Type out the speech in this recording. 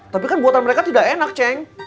tapi kan buatan mereka tidak enak ceng